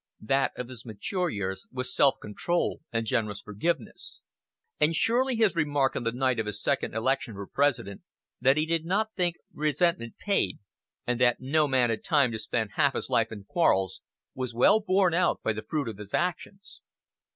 That of his mature years was self control and generous forgiveness. And surely his remark on the night of his second election for President, that he did not think resentment "paid," and that no man had time to spend half his life in quarrels, was well borne out by the fruit of his actions.